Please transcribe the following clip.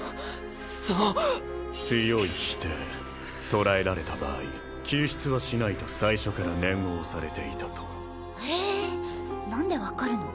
そ強い否定捕らえられた場合救出はしないと最初から念を押されていたとええ何で分かるの？